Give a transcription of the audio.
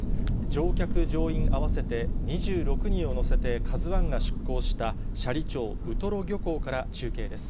乗客・乗員合わせて２６人を乗せてＫＡＺＵＩが出港した斜里町ウトロ漁港から中継です。